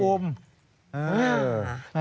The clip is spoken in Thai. อื้อ